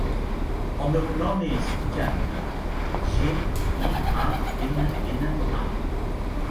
El meu nom és Gianna: ge, i, a, ena, ena, a.